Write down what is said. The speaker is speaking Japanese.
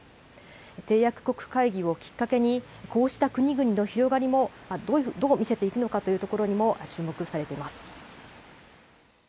締約国会議をきっかけに、こうした国々の広がりもどう見せていくのかというところにも注目されています。